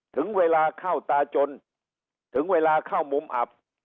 ถึงเวลาเข้าตาจนถึงเวลาเข้ามุมอับ